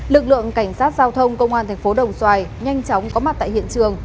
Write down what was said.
lực lượng cảnh sát giao thông công an thành phố đồng xoài nhanh chóng có mặt tại hiện trường